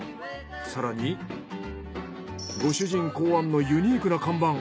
更にご主人考案のユニークな看板。